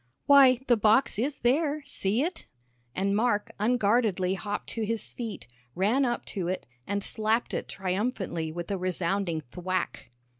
"Why, the box is there. See it," and Mark unguardedly hopped to his feet, ran up to it, and slapped it triumphantly with a resounding thwack.